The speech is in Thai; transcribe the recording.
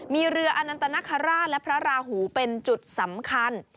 มีเรืออนันตนคราชและพระราหูเป็นจุดสำคัญ